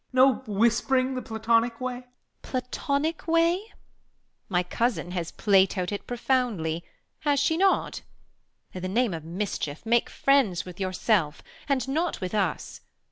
Ben. No whisp'ring the Platonic way 1 Beat. Platonic way ? my cousin has Plato'd it Profoundly; has she not 1 i' th' name of mischief, Make friendship Avitli yourselves, and not with us.